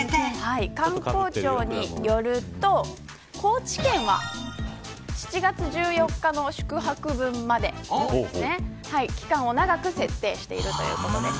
観光庁によると高知県は７月１４日の宿泊分まで期間を長く設定しているということです。